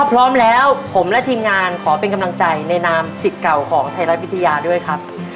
พร้อมแล้วผมและทีมงานขอเป็นกำลังใจในนามสิทธิ์เก่าของไทยรัฐวิทยาด้วยครับ